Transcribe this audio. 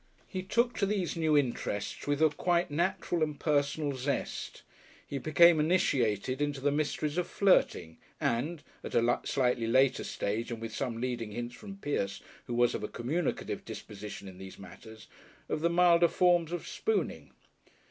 He took to these new interests with quite natural and personal zest. He became initiated into the mysteries of "flirting," and at a slightly later stage, and with some leading hints from Pierce, who was of a communicative disposition in these matters of the milder forms of "spooning."